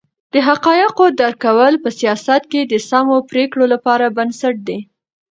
د حقایقو درک کول په سیاست کې د سمو پرېکړو لپاره بنسټ دی.